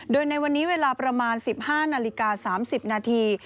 โดยในวันนี้เวลาประมาณ๑๕นาฬิกา๓๐นาที